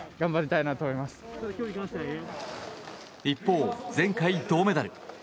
一方、前回銅メダル。